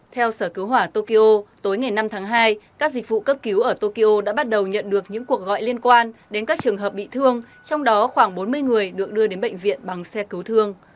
theo sở cứu hỏa tokyo tối ngày năm tháng hai các dịch vụ cấp cứu ở tokyo đã bắt đầu nhận được những cuộc gọi liên quan đến các trường hợp bị thương trong đó khoảng bốn mươi người được đưa đến bệnh viện bằng xe cứu thương